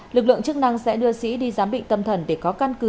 lực lượng chức năng sẽ đưa sĩ đi giám bị tâm thần để có căn cứ